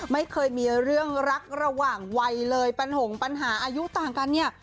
ไม่เคยมีเรื่องรักระหว่างวัยเลยปัญหาอายุต่างกันเนี่ย